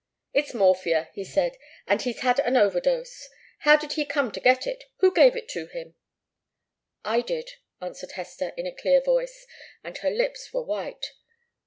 "It's morphia," he said, "and he's had an overdose. How did he come to get it? Who gave it to him?" "I did," answered Hester, in a clear voice, and her lips were white.